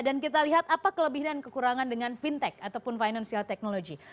dan kita lihat apa kelebihan dan kekurangan dengan fintech ataupun financial technology